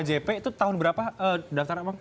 itu tahun berapa daftar pak